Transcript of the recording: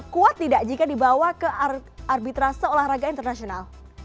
kuat tidak jika dibawa ke arbitra seolah raga internasional